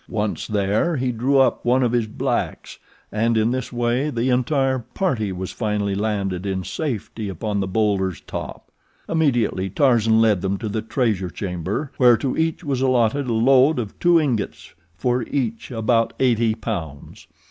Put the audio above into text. Once there, he drew up one of his blacks, and in this way the entire party was finally landed in safety upon the bowlder's top. Immediately Tarzan led them to the treasure chamber, where to each was allotted a load of two ingots, for each about eighty pounds.